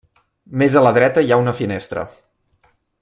Més a la dreta hi ha una finestra.